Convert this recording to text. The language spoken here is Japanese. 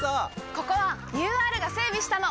ここはＵＲが整備したの！